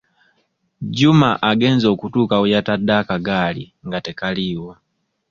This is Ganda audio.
Juma agenze okutuuka we yatadde akagaali nga tekaliiwo.